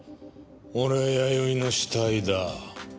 俺は弥生の死体だ。